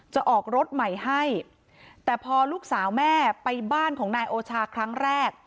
จะออกรถใหม่ให้แต่พอลูกสาวแม่ไปบ้านของนายโอชาครั้งแรก